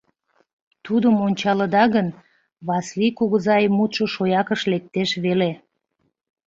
Тудым ончалыда гын, Васлий кугызай мутшо шоякыш лектеш веле...